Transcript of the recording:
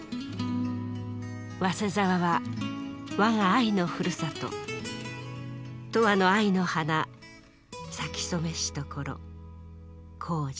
「早稲沢は我ヶ愛のふるさと永遠の愛の花咲き初めし所絋爾」。